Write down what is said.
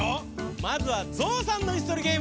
まずはゾウさんのいすとりゲーム。